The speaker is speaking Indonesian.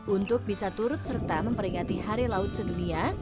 untuk bisa turut serta memperingati hari laut sedunia